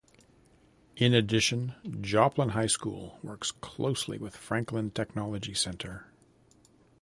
In addition, Joplin High School works closely with Franklin Technology Center.